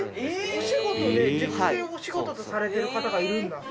お仕事で熟成をお仕事とされてる方がいるんだ。